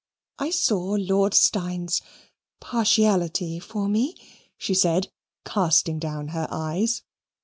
I saw Lord Steyne's partiality for me," she said, casting down her eyes.